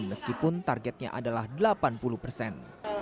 meskipun targetnya adalah delapan puluh persen